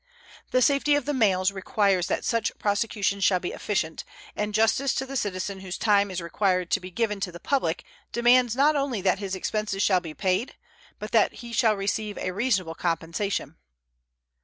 The safety of the mails requires that such prosecutions shall be efficient, and justice to the citizen whose time is required to be given to the public demands not only that his expenses shall be paid, but that he shall receive a reasonable compensation.